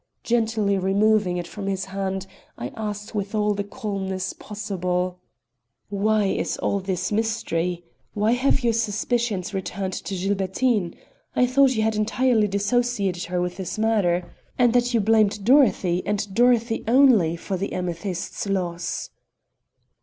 Gently removing it from his hand, I asked with all the calmness possible: "What is all this mystery? Why have your suspicions returned to Gilbertine? I thought you had entirely dissociated her with this matter and that you blamed Dorothy and Dorothy only, for the amethyst's loss?"